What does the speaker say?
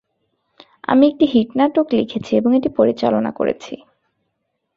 আমি একটি হিট নাটক লিখেছি এবং এটি পরিচালনা করেছি।